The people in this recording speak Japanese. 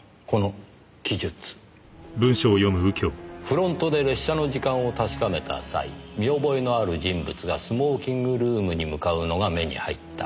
「フロントで列車の時間を確かめた際見覚えのある人物がスモーキングルームに向かうのが目に入った。